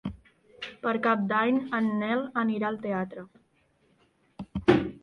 Per Cap d'Any en Nel anirà al teatre.